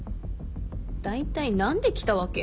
大体何で来たわけ？